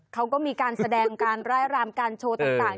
เขาก็มีการแสดงการร่ายรามการโชว์ต่าง